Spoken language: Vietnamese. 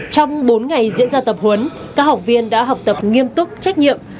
trong bốn ngày diễn ra tập huấn các học viên đã học tập nghiêm túc trách nhiệm